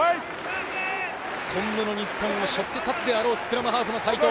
今後の日本を背負って立つであろうスクラムハーフの齋藤。